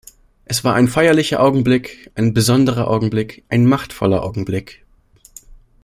Es war ein feierlicher Augenblick, ein besonderer Augenblick, ein machtvoller Augenblick.